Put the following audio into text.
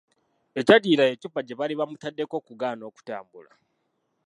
Ekyaddirira y’eccupa gye baali bamutaddeko okugaana okutambula.